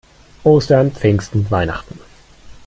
Ostern, Pfingsten, Weihnachten.